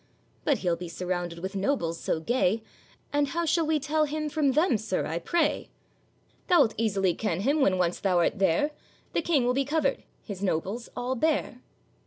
'But he'll be surrounded with nobles so gay, And how shall we tell him from them, sir, I pray?' 'Thou'lt easily ken him when once thou art there; The King will be covered, his nobles all bare.